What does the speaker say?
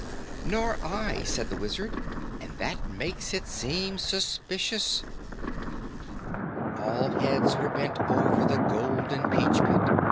"Nor I," said the Wizard, "and that makes it seem suspicious." All heads were bent over the golden peach pit.